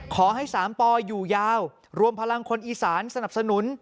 ขอให้สามปอยู่ยาวรวมพลังคนอีสานสนับสนุน